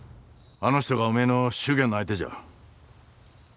あの人がおめえの祝言の相手じゃ。